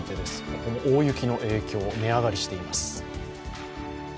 この大雪の影響、値上がりしています。